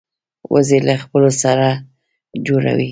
وزې له خپلو سره جوړه وي